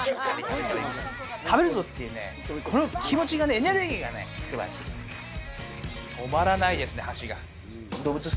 食べるぞという気持ちが、エネルギーが素晴らしい止まらないですね、箸が。